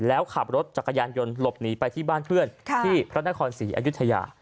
แล้วขับรถจักรยานยนต์หลบหนีไปที่บ้านเพื่อนที่พระนครศรีอยุธยา